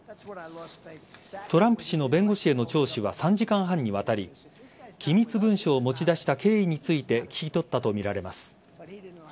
トランプ氏の弁護士への聴取は３時間半にわたり機密文書を持ち出した経緯について聞き取ったとみられます。